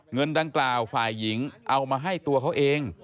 เงินดังกล่าวฝ่ายหญิงเอามาให้ตัวเขาเอง